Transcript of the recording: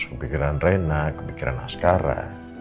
kepikiran rena kepikiran askara